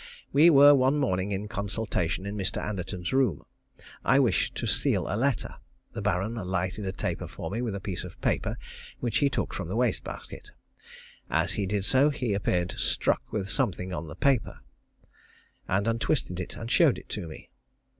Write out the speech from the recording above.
We were one morning in consultation in Mr. Anderton's room. I wished to seal a letter. The Baron lighted a taper for me with a piece of paper which he took from the waste basket. As he did so, he appeared struck with something on the paper, and untwisted it and showed it to me.